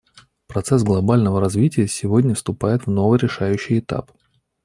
Процесс глобального развития сегодня вступает в новый решающий этап.